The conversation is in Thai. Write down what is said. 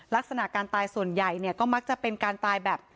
ลักษณะการตายส่วนใหญ่เนี่ยก็มักจะเป็นการตายแบบ